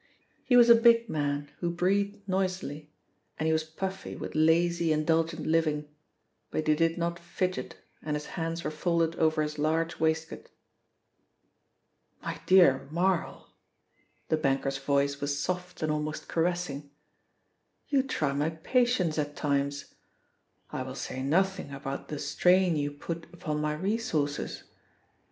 He was a big man, who breathed noisily, and he was puffy with lazy, indulgent living, but he did not fidget and his hands were folded over his large waistcoat. "My dear Marl," the banker's voice was soft and almost caressing, "you try my patience at times. I will say nothing about the strain you put upon my resources."